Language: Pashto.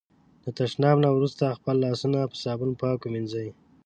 د تشناب نه وروسته خپل لاسونه په صابون پاک ومېنځی.